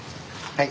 はい。